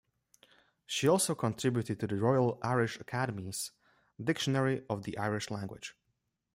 She also contributed to the Royal Irish Academy's "Dictionary of the Irish Language".